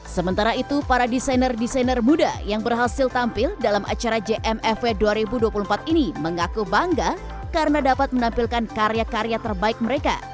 sementara itu para desainer desainer muda yang berhasil tampil dalam acara jmfw dua ribu dua puluh empat ini mengaku bangga karena dapat menampilkan karya karya terbaik mereka